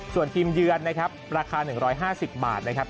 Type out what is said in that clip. ส่วนทีมเยือนนะครับราคา๑๕๐บาทนะครับ